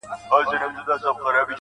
ځوان دعا کوي.